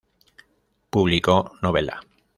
Publicó Novela.